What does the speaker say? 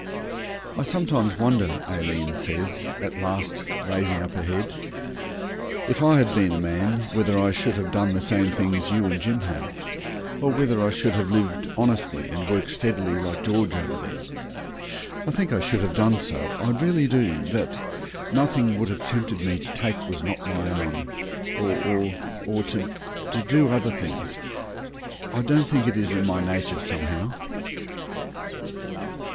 'I sometimes wonder,' Aileen says, at last, raising up her head, 'if I had been a man whether I should have done the same things you and Jim have, or whether I should have lived honestly and worked steadily like George over there. I think I should have done so, I really do; that nothing would have tempted me to take what was not my own or to to do other things. I don't think it is in my nature somehow.'